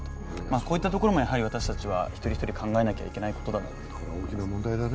こういったところも私たちは一人一人、考えなきゃいけないことだなと思います。